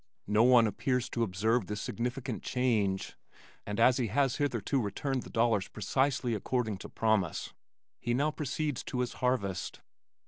No one appears to observe this significant change, and as he has hitherto returned the dollars precisely according to promise, he now proceeds to his harvest.